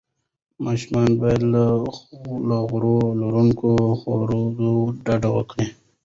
ماشومان باید له غوړ لروونکو خوړو ډډه وکړي.